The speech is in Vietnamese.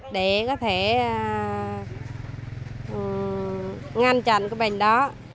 để có thể ngăn chặn cái bệnh đó